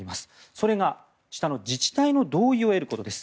それが、下の自治体の同意を得ることです。